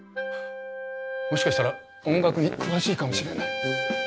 もしかしたら音楽に詳しいかもしれない。